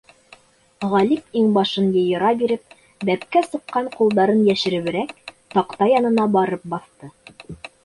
Ғалип иңбашын йыйыра биреп, бәпкә сыҡҡан ҡулдарын йәшереберәк, таҡта янына барып баҫты.